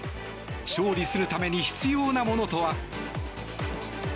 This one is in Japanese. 勝利するために必要なものとは？